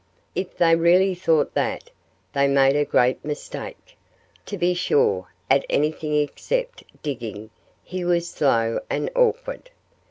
If they really thought that, they made a great mistake. To be sure, at anything except digging he was slow and awkward.